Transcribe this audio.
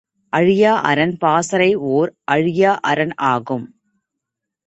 அழியா அரண் பாசறை ஓர் அழியா அரண் ஆகும்.